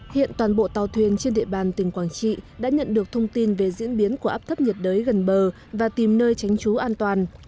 hiện toàn bộ tàu thuyền trên địa bàn tỉnh quảng trị đã nhận được thông tin về diễn biến của áp thấp nhiệt đới gần bờ và tìm nơi tránh trú an toàn